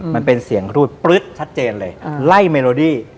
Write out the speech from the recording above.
มันเป็นเสียงรูดปลึ๊ดชัดเจนเลยไล่เมโลดี้